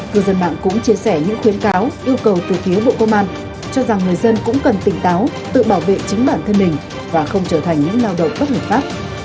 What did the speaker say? cư dân mạng cũng chia sẻ những khuyến cáo yêu cầu từ phía bộ công an cho rằng người dân cũng cần tỉnh táo tự bảo vệ chính bản thân mình và không trở thành những lao động bất hợp pháp